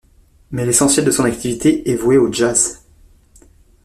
Mais l'essentiel de son activité est vouée au jazz.